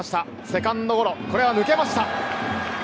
セカンドゴロ、これは抜けました。